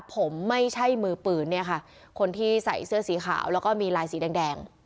ผมไม่ใช่มือปืนเนี่ยค่ะคนที่ใส่เสื้อสีขาวแล้วก็มีลายสีแดงแดง